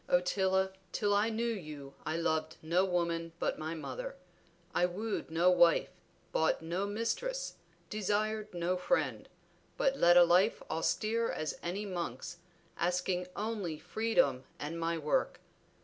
"Ottila, till I knew you I loved no woman but my mother; I wooed no wife, bought no mistress, desired no friend, but led a life austere as any monk's, asking only freedom and my work.